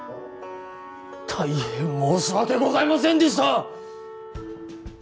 大変申し訳ございませんでした！